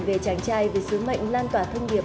về chàng trai về sứ mệnh lan tỏa thân nghiệp